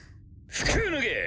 服を脱げ！